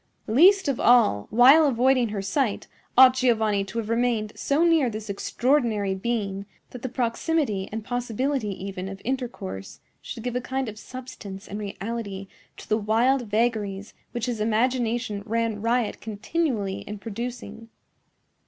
Least of all, while avoiding her sight, ought Giovanni to have remained so near this extraordinary being that the proximity and possibility even of intercourse should give a kind of substance and reality to the wild vagaries which his imagination ran riot continually in producing.